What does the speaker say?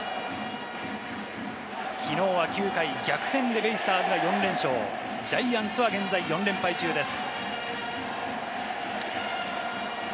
きのうは９回逆転でベイスターズは４連勝、ジャイアンツは現在４連敗中です。